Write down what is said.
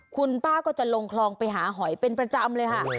คุณป้าก็จะลงคลองไปหาหอยเป็นประจำเลยค่ะ